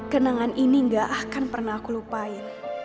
kenangan ini gak akan pernah aku lupain